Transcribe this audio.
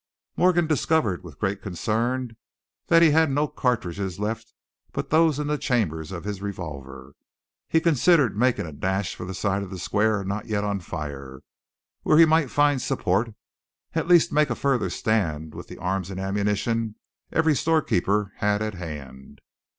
Morgan discovered with great concern that he had no cartridges left but those in the chambers of his revolver. He considered making a dash for the side of the square not yet on fire, where he might find support, at least make a further stand with the arms and ammunition every storekeeper had at hand.